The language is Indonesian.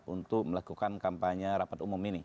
untuk melakukan kampanye rapat umum ini